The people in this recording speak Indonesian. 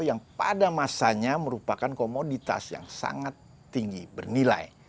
yang pada masanya merupakan komoditas yang sangat tinggi bernilai